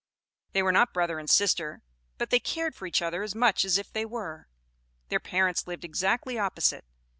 They were not brother and sister; but they cared for each other as much as if they were. Their parents lived exactly opposite.